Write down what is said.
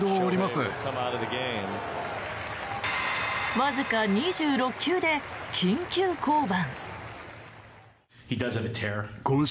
わずか２６球で緊急降板。